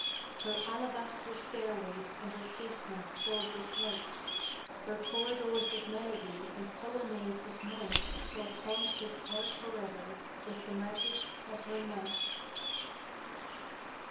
Her alabaster stairways and her casements filled with light, Her corridors of melody and colonnades of night Shall haunt his heart forever with the magic of her might!